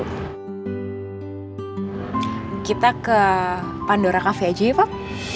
kita ke pandora cafe aja ya pak